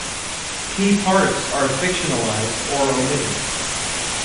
Key parts are fictionalized or omitted.